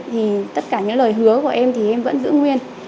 thì tất cả những lời hứa của em thì em vẫn giữ nguyên